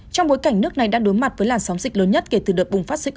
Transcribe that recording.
trong bối cảnh nước này đang đối mặt với làn sóng dịch lớn nhất kể từ đợt bùng phát dịch